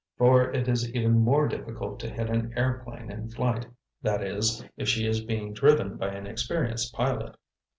For it is even more difficult to hit an airplane in flight, that is, if she is being driven by an experienced pilot.